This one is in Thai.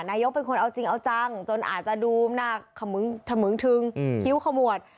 นายกเป็นคนเอาจริงเอาจังจนอาจจะดูหน้าขมึงขมึงทึงคิ้วขมวด